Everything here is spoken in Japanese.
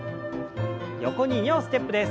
横に２歩ステップです。